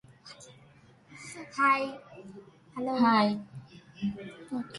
One notable cut was the National Space Program.